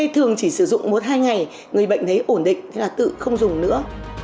thường chỉ sử dụng một hai ngày người bệnh thấy ổn định thì tự không dùng nữa